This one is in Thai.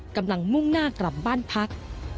กำลังมุ่งหน้ากลับบ้านพัก